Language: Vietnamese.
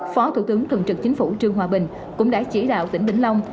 phó thủ tướng thường trực chính phủ trương hòa bình cũng đã chỉ đạo tỉnh vĩnh long